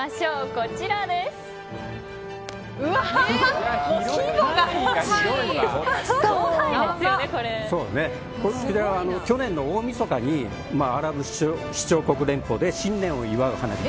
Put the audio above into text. こちらは去年の大みそかにアラブ首長国連邦で新年を祝う花火。